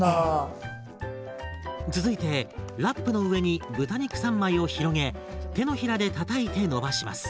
続いてラップの上に豚肉３枚を広げ手のひらでたたいて伸ばします。